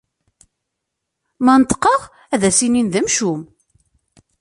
Ma neṭqeɣ ad as-inin d amcum.